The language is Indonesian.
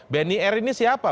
benny r ini siapa pak